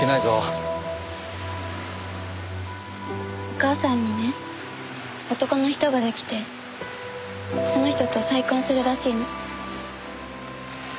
お母さんにね男の人が出来てその人と再婚するらしいの。